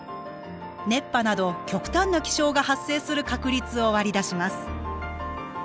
熱波など極端な気象が発生する確率を割り出します。